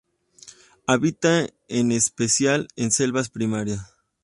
Habita en especial en selvas primarias.